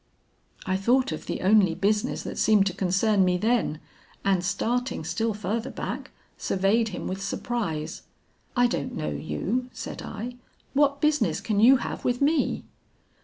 "I thought of the only business that seemed to concern me then, and starting still farther back, surveyed him with surprise. 'I don't know you,' said I; 'what business can you have with me?'